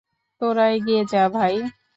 তোরা এগিয়ে যা ভাই!